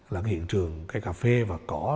là cái hiện trường cây cà phê và cỏ